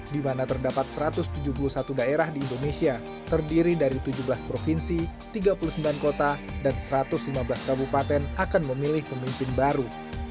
di mana terdapat satu ratus tujuh puluh satu daerah di indonesia terdiri dari tujuh belas provinsi tiga puluh sembilan kota dan satu ratus lima belas kabupaten akan memilih pemimpin baru